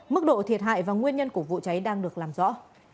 mức độ thiệt hại và nguyên nhân của vụ cháy đang được làm rõ